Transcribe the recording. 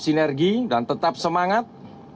sinergi dan tetap semangat